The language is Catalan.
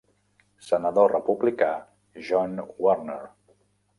Senador republicà John Warner.